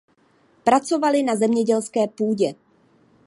Pracovali na zemědělské půdě.